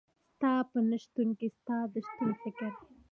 ستا په نشتون کي ستا د شتون فکر